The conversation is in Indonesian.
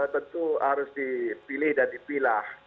tentu harus dipilih dan dipilah